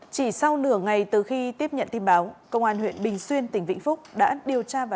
chỉ sau nửa ngày từ khi tiếp nhận tin báo công an huyện bình xuyên tỉnh vĩnh phúc đã điều tra và